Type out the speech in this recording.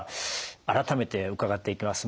改めて伺っていきます。